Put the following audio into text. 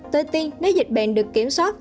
tôi tin nếu dịch bệnh được kiểm soát